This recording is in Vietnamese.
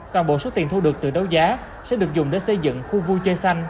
toàn bộ số tiền thu được từ đấu giá sẽ được dùng để xây dựng khu vui chơi xanh